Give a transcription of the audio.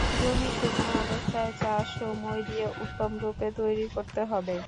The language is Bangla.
জমি শুকনো অবস্থায় চাষ ও মই দিয়ে উত্তম রূপে তৈরি করতে হবে।